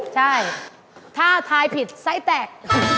ใช่ถ้าทายผิดไส้แตก